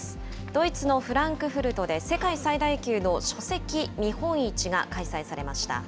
ドイツのフランクフルトで、世界最大級の書籍見本市が開催されました。